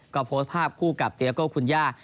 ก็โพสต์ภาพคู่กับเตียโก้คุณย่า